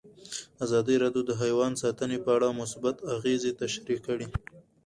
ازادي راډیو د حیوان ساتنه په اړه مثبت اغېزې تشریح کړي.